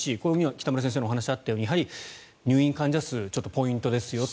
北村先生のお話にあったようにやはり入院患者数ポイントですよと。